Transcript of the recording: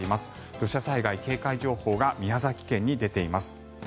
土砂災害警戒情報が宮崎県に出ています。